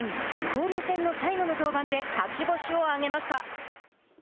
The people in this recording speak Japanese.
交流戦の最後の登板で勝ち星を挙げました。